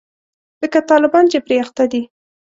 لکه طالبان چې پرې اخته دي.